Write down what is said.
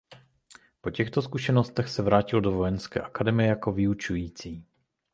Po těchto zkušenostech se vrátil do Vojenské akademie jako vyučující.